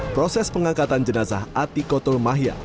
proses pengangkatan jenazah ati kotul mahya